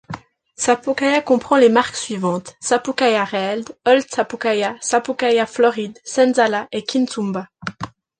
Sapucaia comprend les marques suivantes: Sapucaia réel, Old Sapucaia Sapucaia Floride, Senzala et Quizumba.